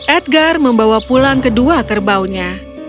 edgar membawa pulang kedua kerbaunya